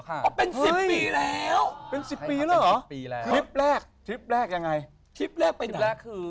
ใครเป็นคนคิดเหรอ